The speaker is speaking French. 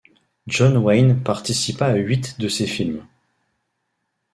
John Wayne participa à huit de ces films.